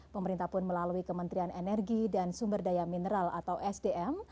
pemerintah pun melalui kementerian energi dan sumber daya mineral atau sdm